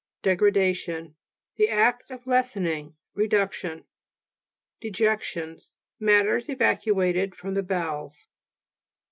DEGRADATION The act of lessen ing ; reduction. DEJECTIONS Matters evacuated from the bowels.